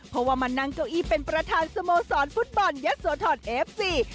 เพราะว่ามานั่งเก้าอี้เป็นประธานสโมสรฟุตบอลยะโสธรเอฟซี